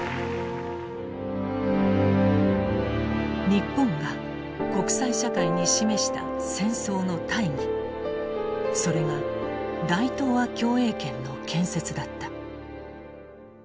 日本が国際社会に示した戦争の大義それが大東亜共栄圏の建設だった。